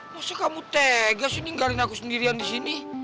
masa kamu tegas nih nginggarin aku sendirian di sini